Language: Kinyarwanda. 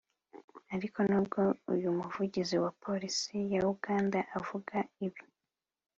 Ariko n’ubwo uyu muvugizi wa Polisi ya Uganda avuga ibi